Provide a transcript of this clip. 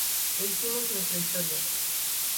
E hicimos nuestra historia.